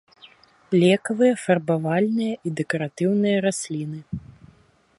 Лекавыя, фарбавальныя і дэкаратыўныя расліны.